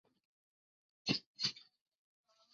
বিভিন্ন সেবামূলক কার্যক্রমে এ কলেজের ভূমিকা অত্যন্ত প্রশংসনীয়।